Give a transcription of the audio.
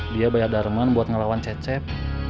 dia bayar darmon buat ngelawan cecep